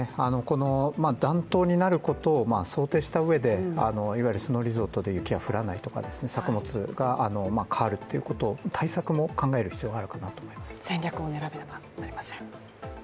暖冬になることを想定したうえで、いわゆるスノーリゾートでは雪が降らないとか、作物が変わるということ、対策も考える必要があると思います。